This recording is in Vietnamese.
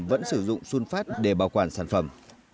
vẫn sử dụng xuân phát để bảo quản sản phẩm